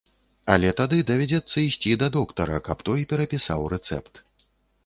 Але тады давядзецца ісці да доктара, каб той перапісаў рэцэпт.